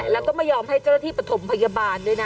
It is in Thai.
แล้วก็ไม่ยอมให้เจ้าหน้าที่ปฐมพยาบาลด้วยนะ